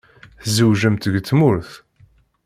Tzewǧemt deg tmurt?